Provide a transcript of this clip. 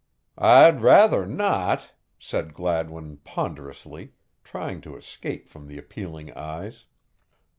"I'd rather not," said Gladwin ponderously, trying to escape from the appealing eyes.